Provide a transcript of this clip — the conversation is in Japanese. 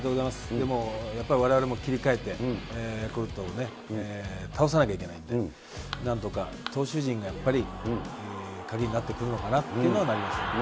でもやっぱりわれわれも切り替えて、ヤクルトを倒さなきゃいけないんで、なんとか投手陣がやっぱり鍵になってくるのかなっていうのはありますね。